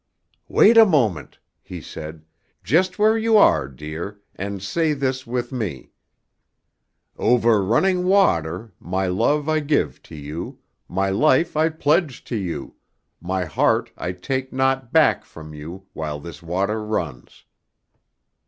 "Wait a moment," he said, "just where you are, dear, and say this with me: "'Over running water: my love I give to you, my life I pledge to you, my heart I take not back from you while this water runs.